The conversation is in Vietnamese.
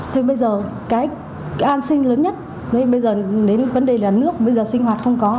thế bây giờ cái an sinh lớn nhất bây giờ đến vấn đề là nước bây giờ sinh hoạt không có